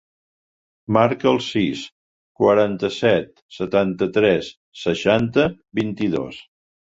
Marca el sis, quaranta-set, setanta-tres, seixanta, vint-i-dos.